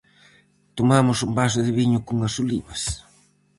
Tomamos un vaso de viño cunhas olivas.